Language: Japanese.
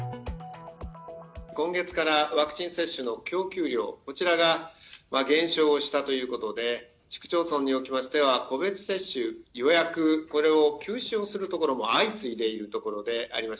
今月からワクチン接種の供給量、こちらが減少したということで、市区町村におきましては、個別接種予約、これを休止をするところも相次いでいるところであります。